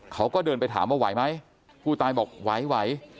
เขาก็เดินไปถามว่าไหวไหมผู้ตายบอกไหว